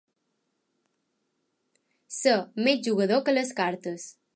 Ser més jugador que les cartes.